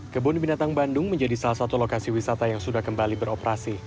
kebun binatang bandung menjadi salah satu lokasi wisata yang sudah kembali beroperasi